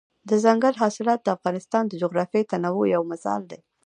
دځنګل حاصلات د افغانستان د جغرافیوي تنوع یو مثال دی.